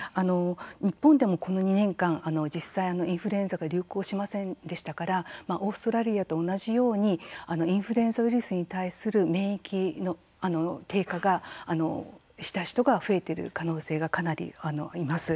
日本でも、この２年間実際、インフルエンザが流行しませんでしたからオーストラリアと同じようにインフルエンザウイルスに対する免疫の低下がした人が増えている可能性がかなり、あります。